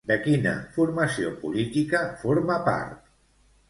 De quina formació política forma part?